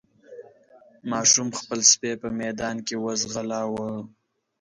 ماشوم خپل سپی په ميدان کې وځغلاوه.